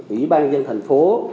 ủy ban dân thành phố